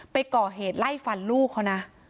ไปก่อเหตุไล่ฟันลูกเขานะ